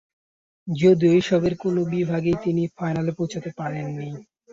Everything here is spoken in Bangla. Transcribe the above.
যদিও এসবের কোনো বিভাগেই তিনি ফাইনালে পৌঁছাতে পারেননি।